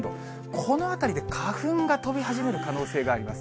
このあたりで花粉が飛び始める可能性があります。